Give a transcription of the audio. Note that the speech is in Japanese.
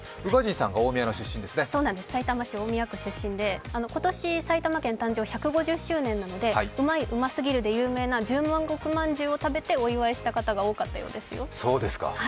さいたま市大宮区出身で今年埼玉県誕生１５０周年なのでうまい、うますぎるで有名な、十万石饅頭を食べてお祝いした人が多いそうですよ。